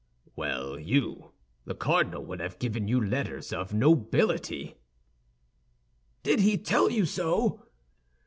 "Well you—the cardinal would have given you letters of nobility." "Did he tell you so?"